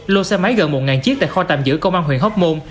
lô xe máy gần một chiếc tại kho tạm giữ công an huyện hóc môn